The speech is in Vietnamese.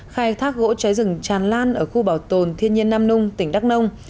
khai thác gỗ trái rừng tràn lan ở khu bảo tồn thiên nhiên nam nung tỉnh đắk nông